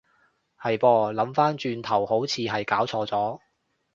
係噃，諗返轉頭好似係攪錯咗